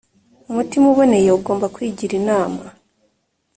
umutima uboneye ugomba kwigira inama